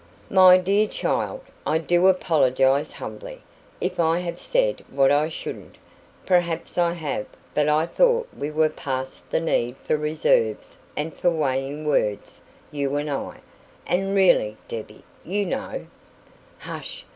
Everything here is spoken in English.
"My dear child, I do apologise humbly, if I have said what I shouldn't. Perhaps I have; but I thought we were past the need for reserves and for weighing words, you and I. And really, Debbie, you know " "Hush!"